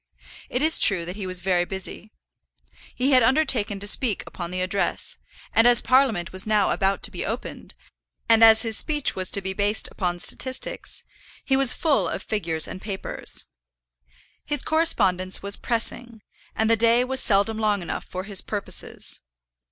It is true that he was very busy. He had undertaken to speak upon the address, and as Parliament was now about to be opened, and as his speech was to be based upon statistics, he was full of figures and papers. His correspondence was pressing, and the day was seldom long enough for his purposes.